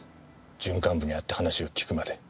準幹部に会って話を聞くまで。